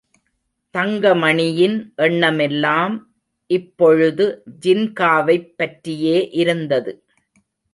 தங்கமணியின் எண்ணமெல்லாம் இப்பொழுது ஜின்காவைப் பற்றியே இருந்தது.